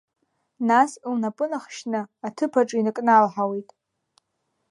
Нас лнапы нахьшьны, аҭыԥаҿы иныкналҳауеит.